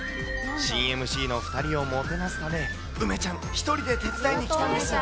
新ＭＣの２人をもてなすため、梅ちゃん、１人で手伝いに来たんです。